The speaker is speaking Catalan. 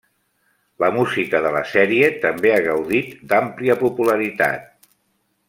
La música de la sèrie també ha gaudit d'àmplia popularitat.